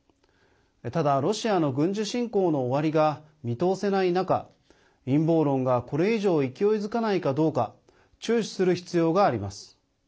ただ、ロシアの軍事侵攻の終わりが見通せない中陰謀論がこれ以上、勢いづかないかどうか注視する必要があります。